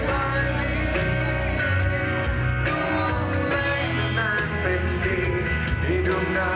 ไม่ได้มีใครต้องเกาและไม่ได้มีใครต้องเกา